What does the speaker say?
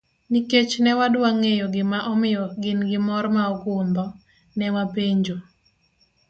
Nikech ne wadwa ng'eyo gima omiyo gin gi mor ma ogundho, ne wapenjo.